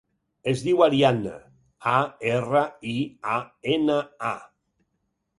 Es diu Ariana: a, erra, i, a, ena, a.